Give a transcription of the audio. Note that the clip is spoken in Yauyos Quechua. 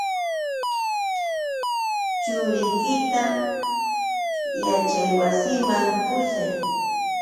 Churiykita yaćhaywasiman pushay.